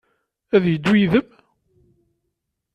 Ad d-yeddu yid-m?